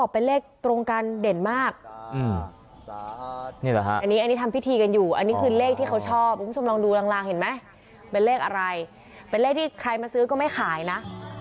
เป็นเลขที่ชอบเขาก็ไม่ขายนะ